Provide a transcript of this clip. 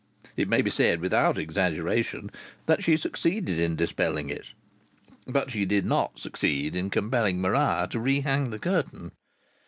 It may be said without exaggeration that she succeeded in dispelling it. But she did not succeed in compelling Maria to re hang the curtain.